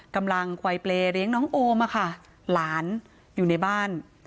กำลังควายเปรย์เลี้ยงน้องโอมอะค่ะหลานอยู่ในบ้าน